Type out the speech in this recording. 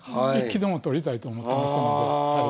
１期でも取りたいと思ってましたので。